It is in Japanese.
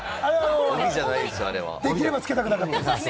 できればつけたくなかったやつ。